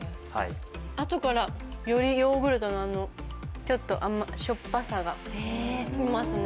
あとから、よりヨーグルトのしょっぱさが来ますね。